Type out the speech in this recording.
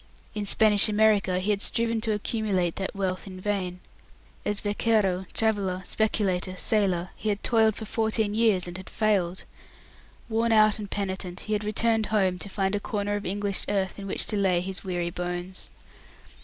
In Spanish America he had striven to accumulate that wealth in vain. As vequero, traveller, speculator, sailor, he had toiled for fourteen years, and had failed. Worn out and penitent, he had returned home to find a corner of English earth in which to lay his weary bones.